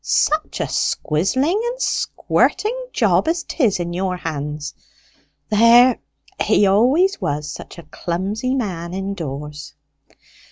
Such a squizzling and squirting job as 'tis in your hands! There, he always was such a clumsy man indoors."